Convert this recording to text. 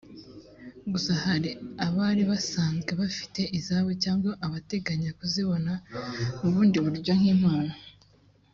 Gusa hari abari basanzwe bafite izabo cyangwa abateganyaga kuzibona mu bundi buryo nk’impano